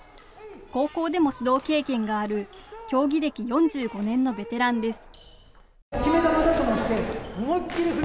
高校でも指導経験がある競技歴４５年のベテランです。